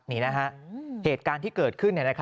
นี่นะฮะเหตุการณ์ที่เกิดขึ้น